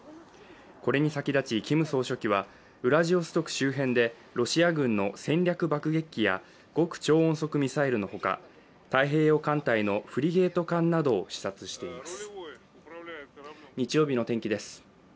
これに先立ち、キム総書記はウラジオストク周辺でロシア軍の戦略爆撃機や極超音速ミサイルのほか太平洋艦隊のフリゲート艦などを視察しています。